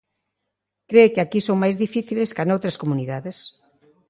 Cre que aquí son máis difíciles ca noutras comunidades.